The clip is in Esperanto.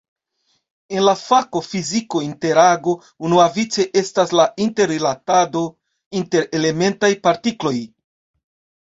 En la fako fiziko "interago" unuavice estas la inter-rilatado inter elementaj partikloj.